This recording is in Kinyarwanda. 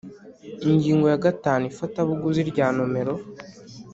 Ingingo ya gatanu Ifatabuguzi rya nomero